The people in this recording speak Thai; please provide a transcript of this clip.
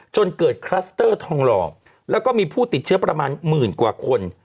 จนเกิดคลัสเตอร์ทองหล่อแล้วก็มีผู้ติดเชื้อประมาณหมื่นกว่าคน